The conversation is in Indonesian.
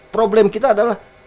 problem kita adalah